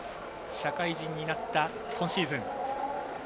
社会人になった今シーズン。